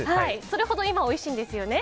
それほど今、おいしいんですよね。